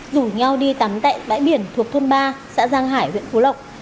rủ nhau đi tắm tại bãi biển thuộc thôn ba xã giang hải huyện phú lộc